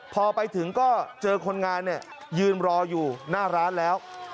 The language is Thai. พอไปถึงก็เจอคนงานเนี่ยยืนรออยู่หน้าร้านแล้ว